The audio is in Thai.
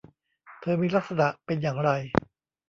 เธอมีลักษณะเป็นอย่างไร ?